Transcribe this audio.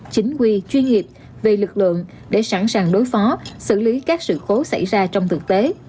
chính quy chuyên nghiệp về lực lượng để sẵn sàng đối phó xử lý các sự cố xảy ra trong thực tế